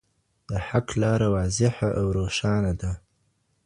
د حق لاره واضحه او روښانه ده.